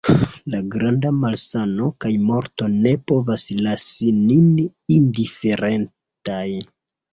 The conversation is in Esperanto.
La granda malsano kaj morto ne povas lasi nin indiferentaj.